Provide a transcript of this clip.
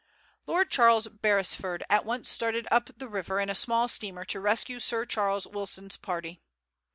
Lord Charles Beresford at once started up the river in a small steamer to rescue Sir Charles Wilson's party.